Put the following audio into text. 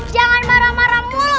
jangan marah marah mulu